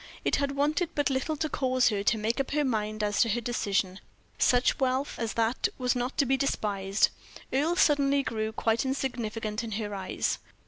It had wanted but little to cause her to make up her mind as to her decision such wealth as that was not to be despised. Earle suddenly grew quite insignificant in her eyes.